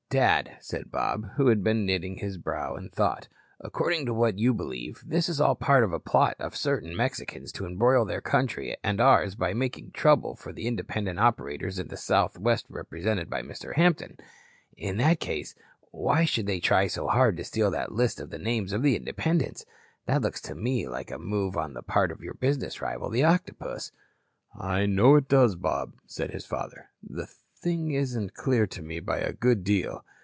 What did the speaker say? "Dad," said Bob, who had been knitting his brow in thought, "according to what you believe, this is all part of a plot of certain Mexicans to embroil their country and ours by making trouble for the independent operators in the Southwest represented by Mr. Hampton. In that case, why should they try so hard to steal that list of the names of the independents. That looks to me like a move on the part of your business rival, the Octopus." "I know it does, Bob," said his father. "The thing isn't clear to me by a good deal.